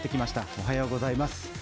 おはようございます。